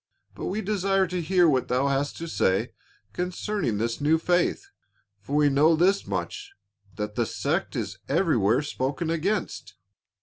But we desire to hear what thou hast to say concerning this new faith, for we know this much that the sect is everywhere spoken against."